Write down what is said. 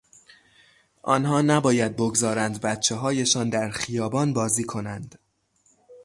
آنها نباید بگذارند بچههایشان در خیابان بازی کنند.